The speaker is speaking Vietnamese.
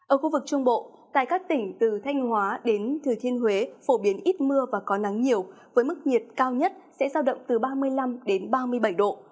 ở khu vực trung bộ tại các tỉnh từ thanh hóa đến thừa thiên huế phổ biến ít mưa và có nắng nhiều với mức nhiệt cao nhất sẽ giao động từ ba mươi năm đến ba mươi bảy độ